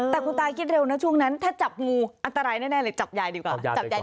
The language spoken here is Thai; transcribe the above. แต่คุณตาคิดเร็วนะช่วงนั้นถ้าจับงูอันตรายแน่เลยจับยายดีกว่าจับยาย